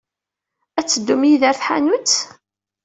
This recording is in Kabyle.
Ad teddum yid-i ɣer tḥanut?